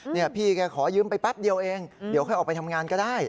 นี่พี่แกขอยืมไปแป๊บเดียวเองเดี๋ยวค่อยออกไปทำงานก็ได้